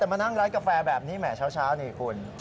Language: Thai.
แต่มานั่งร้านกาแฟแบบนี้แหมเช้านี่คุณ